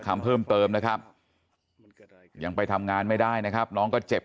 คำเพิ่มเติมนะครับยังไปทำงานไม่ได้นะครับน้องก็เจ็บ